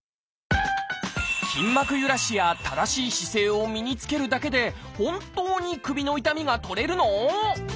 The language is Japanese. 筋膜ゆらしや正しい姿勢を身につけるだけで本当に首の痛みが取れるの？